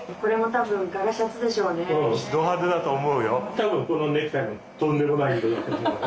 多分このネクタイもとんでもない色だと思うよ。